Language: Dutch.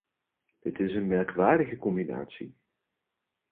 Het is een merkwaardige combinatie!